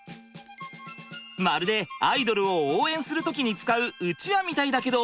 まるでアイドルを応援する時に使ううちわみたいだけど